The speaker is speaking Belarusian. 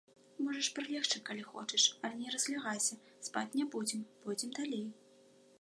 Можаш прылегчы, калі хочаш, але не разлягайся, спаць не будзем, пойдзем далей.